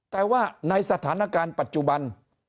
แต่ว่าในสถานการณ์ปัจจุบัน